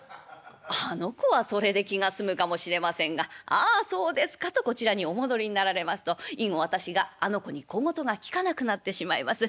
あの子はそれで気が済むかもしれませんが『ああそうですか』とこちらにお戻りになられますと以後私があの子に小言がきかなくなってしまいます。